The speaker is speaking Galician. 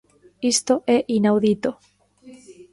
Isto é inaudito.